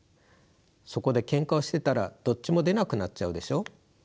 そこでケンカをしてたらどっちも出なくなっちゃうでしょう？